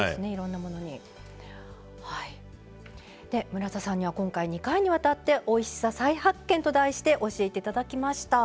村田さんには今回２回にわたって「おいしさ再発見！」と題して教えて頂きました。